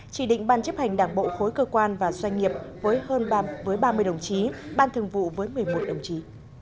chỉ định ban chấp hành đảng bộ khối cơ quan và doanh nghiệp với hơn ba mươi đồng chí ban thường vụ với một mươi một đồng chí